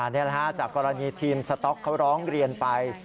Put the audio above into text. นี่แหละฮะจากกรณีทีมสต๊อกเขาร้องเรียนไป